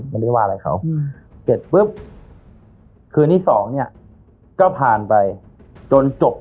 ไม่ได้ว่าอะไรเขาเสร็จปุ๊บคืนที่สองเนี่ยก็ผ่านไปจนจบ